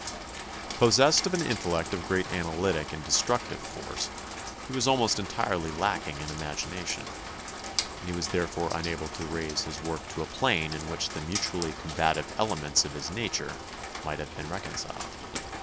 Pos sessed of an intellect of great analytic and destructive force, he was almost entirely lacking in imagination, and he was therefore unable to raise his work to a plane in which the mutually combative elements of his nature might have been reconciled.